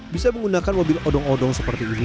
bisa menggunakan mobil odong odong seperti ini